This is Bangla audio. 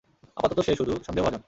আপাতত সে শুধু সন্দেহভাজন।